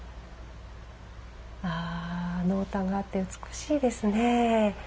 ああ、濃淡があって美しいですね。